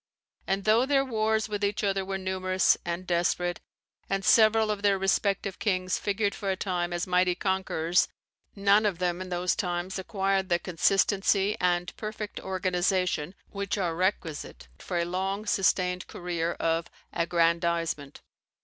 And, though their wars with each other were numerous and desperate, and several of their respective kings figured for a time as mighty conquerors, none of them in those times acquired the consistency and perfect organization which are requisite for a long sustained career of aggrandizement.